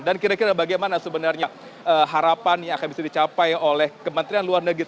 dan kira kira bagaimana sebenarnya harapan yang akan bisa dicapai oleh kementerian luar negeri